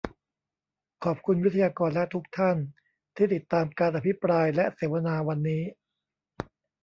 ขอบคุณวิทยากรและทุกท่านที่ติดตามการอภิปรายและเสวนาวันนี้